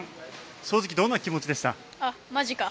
正直どんな気持ちでしたか？